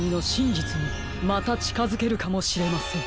じつにまたちかづけるかもしれません。